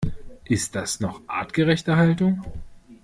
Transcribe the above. Ist das noch artgerechte Haltung?